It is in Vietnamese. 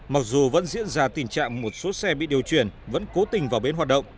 mặc dù vẫn diễn ra tình trạng một số xe bị điều chuyển vẫn cố tình vào bến hoạt động